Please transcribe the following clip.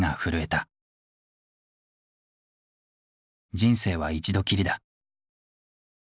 人生は一度きりだ。